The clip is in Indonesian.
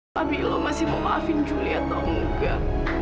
apakah milo masih memaafin juli atau enggak